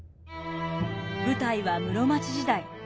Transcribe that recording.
舞台は室町時代。